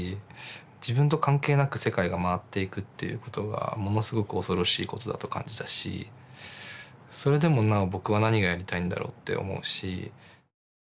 自分と関係なく世界が回っていくっていうことがものすごく恐ろしいことだと感じたしそれでもなお僕は何がやりたいんだろうって思うし。